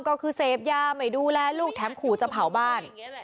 ก็คือเสพยาไม่ดูแลลูกแถมขู่จะเผาบ้าน